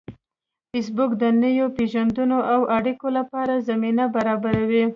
فېسبوک د نویو پیژندنو او اړیکو لپاره زمینه برابروي